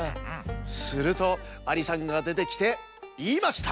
するとアリさんがでてきていいました。